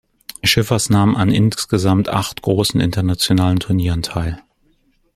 Schiffers nahm an insgesamt acht großen internationalen Turnieren teil.